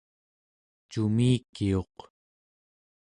cumikiuq